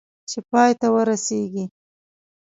چې پای ته ورسېږي .